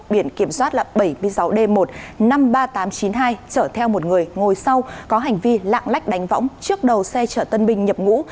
biển kiểm soát là bảy mươi sáu d một năm mươi ba nghìn tám trăm chín mươi hai chở theo một người ngồi sau có hành vi lạng lách đánh võng trước đầu xe chở tân binh nhập ngũ